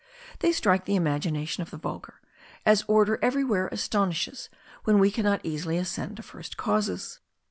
They strike the imagination of the vulgar; as order everywhere astonishes, when we cannot easily ascend to first causes.